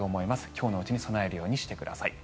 今日のうちに備えるようにしてください。